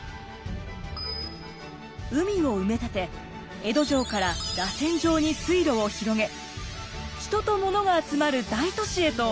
海を埋め立て江戸城かららせん状に水路を広げ人とものが集まる大都市へと変貌させました。